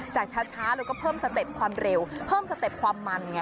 ช้าแล้วก็เพิ่มสเต็ปความเร็วเพิ่มสเต็ปความมันไง